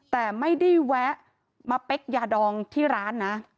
แต่ไม่ได้แวะมาเป๊กยาดองที่ร้านนะ